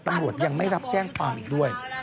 ตำรวจยังไม่รับแจ้งความอีกด้วย